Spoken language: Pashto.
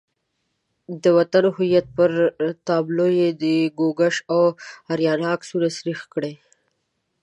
د وطن هویت پر تابلو یې د ګوګوش او آریانا عکسونه سریښ کړي.